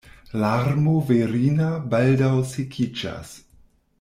Larmo virina baldaŭ sekiĝas.